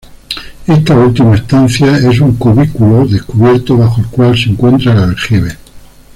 Esta última estancia es un cubículo descubierto bajo el cual se encuentra el aljibe.